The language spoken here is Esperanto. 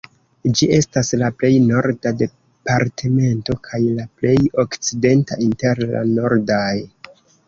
Ĝi estas la plej norda departemento kaj la plej okcidenta inter la nordaj.